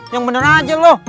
yang bener aja lu